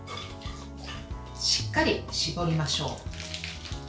しっかり絞りましょう。